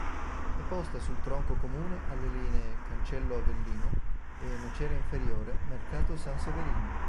È posta sul tronco comune alle linee Cancello-Avellino e Nocera Inferiore-Mercato San Severino.